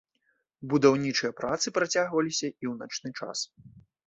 Будаўнічыя працы працягваліся і ў начны час.